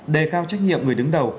đề cao trách nhiệm người đứng đầu